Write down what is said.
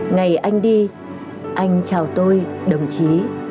ngày anh đi anh chào tôi đồng chí